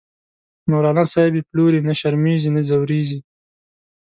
مولانا صاحب یی پلوری، نه شرمیزی نه ځوریږی